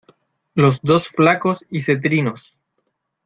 los dos flacos y cetrinos: